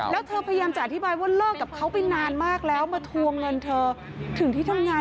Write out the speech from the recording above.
แล้วเธอพยายามจะอธิบายว่าเลิกกับเขาไปนานมากแล้วมาทวงเงินเธอถึงที่ทำงาน